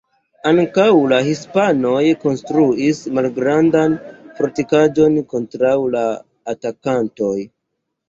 Ankaŭ la hispanoj konstruis malgrandan fortikaĵon kontraŭ la atakantoj.